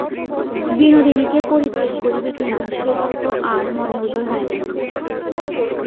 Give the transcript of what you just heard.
বিনোদিনীকে পরিত্যাগ করিবে কি না, সে-তর্ক আর মনে উদয়ই হয় না।